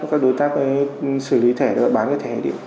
các đối tác xử lý thẻ và bán cái thẻ đi